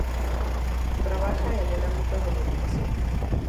Trabaja en el ámbito de la educación.